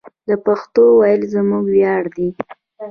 د پښتو ویل زموږ ویاړ دی.